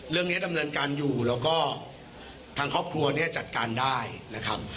ดำเนินการอยู่แล้วก็ทางครอบครัวเนี่ยจัดการได้นะครับ